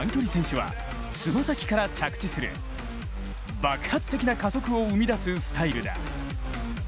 陸上の短距離選手は爪先から着地する爆発的な加速を生み出すスタイルだ。